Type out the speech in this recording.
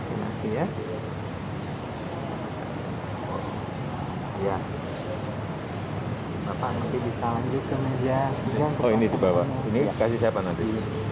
ini saya tulis layak untuk vaksinasi